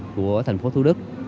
của thành phố thú đức